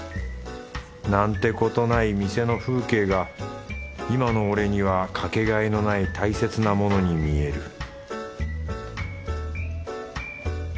なんてことない店の風景が今の俺にはかけがえのない大切なものに見える